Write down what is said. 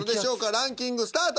ランキングスタート。